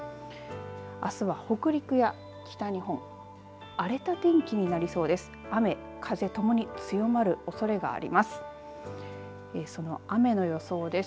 あすは北陸や北日本荒れた天気になりそうです。